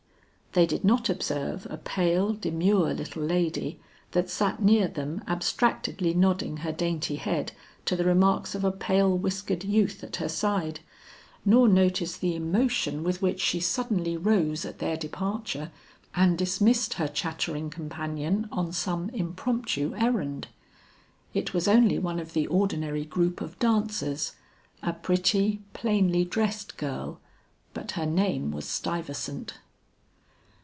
They did not observe a pale, demure, little lady that sat near them abstractedly nodding her dainty head to the remarks of a pale whiskered youth at her side, nor notice the emotion with which she suddenly rose at their departure and dismissed her chattering companion on some impromptu errand. It was only one of the ordinary group of dancers, a pretty, plainly dressed girl, but her name was Stuyvesant.